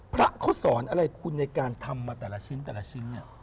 พระเขาสอนอะไรคุณในการทำมาแต่ละชิ้นแต่ละชิ้นเนี่ย